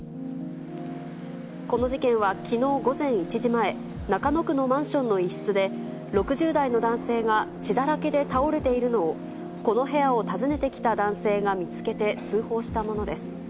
この事件はきのう午前１時前、中野区のマンションの一室で、６０代の男性が血だらけで倒れているのを、この部屋を訪ねてきた男性が見つけて通報したものです。